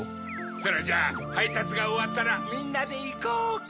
それじゃあはいたつがおわったらみんなでいこうか。